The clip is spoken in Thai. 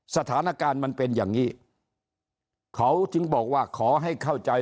สถานการณ์มันเป็นอย่างนี้เขาถึงบอกว่าขอให้เข้าใจ